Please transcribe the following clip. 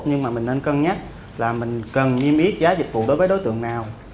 nhưng mà mình nên cân nhắc là mình cần niêm yết giá dịch vụ đối với đối tượng nào